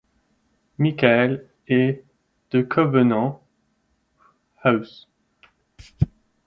Michael et de Covenant House.